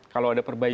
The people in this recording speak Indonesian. kalau ada perbaikan